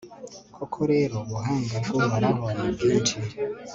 koko rero, ubuhanga bw'uhoraho ni bwinshi